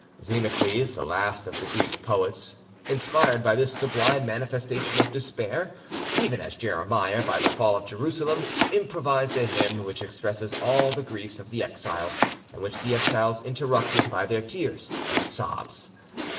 Xenocles, the last of the Greek poets, inspired by this sublime manifestation of despair, even as Jeremiah by the fall of Jerusalem, improvised a hymn which expresses all the grief of the exiles, and which the exiles interrupted by their tears and sobs.